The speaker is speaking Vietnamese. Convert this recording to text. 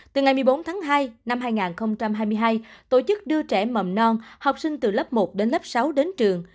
từ ngày một mươi bốn tháng hai năm hai nghìn hai mươi hai tổ chức đưa trẻ mầm non học sinh từ lớp một đến lớp sáu đến trường